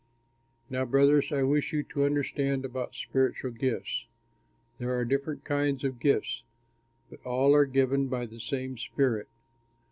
Now brothers, I wish you to understand about spiritual gifts. There are different kinds of gifts, but all are given by the same Spirit.